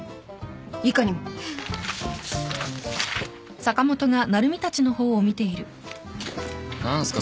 いかにも。何すか？